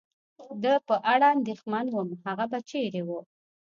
د په اړه اندېښمن ووم، هغه به چېرې و؟